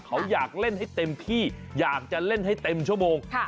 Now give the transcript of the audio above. เขาอยากเล่นให้เต็มที่อยากจะเล่นให้เต็มชั่วโมง